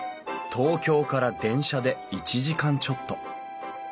東京から電車で１時間ちょっと。